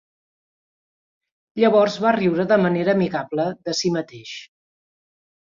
Llavors va riure de manera amigable de si mateix.